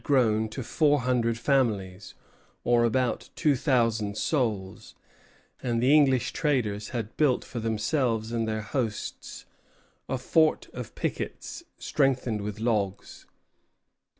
The town had grown to four hundred families, or about two thousand souls; and the English traders had built for themselves and their hosts a fort of pickets, strengthened with logs.